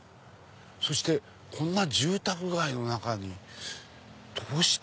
そしてこんな住宅街の中にどうして？